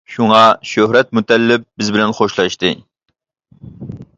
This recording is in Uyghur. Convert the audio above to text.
شۇڭا شۆھرەت مۇتەللىپ بىز بىلەن خوشلاشتى.